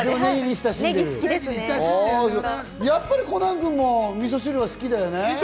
やっぱりコナン君も味噌汁は好きだよね？